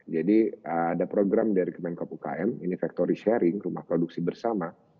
jadi ada program dari kemenkop umkm ini factory sharing rumah produksi bersama